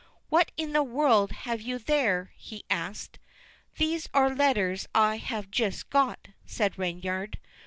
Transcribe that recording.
"What in the world have you there?" he asked. "These are letters I have just got," said Reynard.